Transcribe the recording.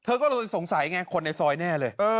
เธอก็เลยสงสัยไงคนในซอยแน่เลย